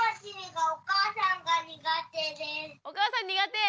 お母さん苦手。